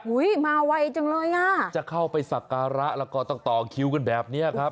อุ้ยมาไว้จังเลยน่ะจะเข้าไปสักการะแล้วก็ต่อคิวกันแบบนี้ครับ